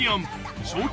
［賞金